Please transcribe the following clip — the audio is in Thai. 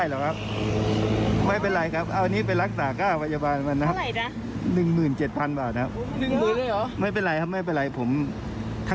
เห้ยคุณเช๊ใจคุณสุดยอดมากเลยอ่ะ